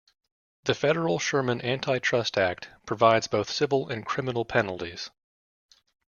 The federal Sherman Antitrust Act provides both civil and criminal penalties.